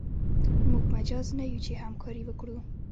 موږ مجاز نه یو چې همکاري وکړو.